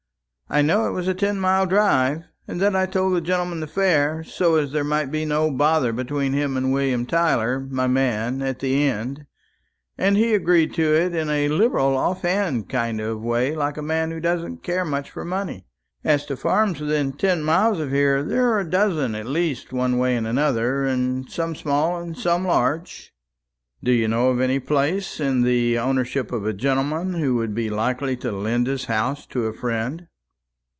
I know it was a ten mile drive, and that I told the gentleman the fare, so as there might be no bother between him and William Tyler, my man, at the end; and he agreed to it in a liberal off hand kind of way, like a man who doesn't care much for money. As to farms within ten miles of here, there are a dozen at least, one way and another some small, and some large." "Do you know of any place in the ownership of a gentleman who would be likely to lend his house to a friend?"